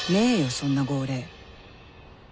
そんな号令